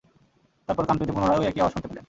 তারপর কান পেতে পুনরায় ঐ একই আওয়াজ শুনতে পেলেন।